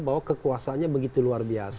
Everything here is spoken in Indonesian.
bahwa kekuasaannya begitu luar biasa